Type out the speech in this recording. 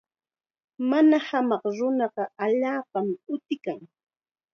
Mana hamaq nunaqa allaapam utikan.